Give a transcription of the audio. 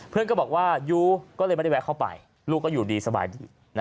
เพื่อนก็บอกว่ายูก็เลยไม่ได้แวะเข้าไปลูกก็อยู่ดีสบายดี